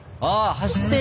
走ってる！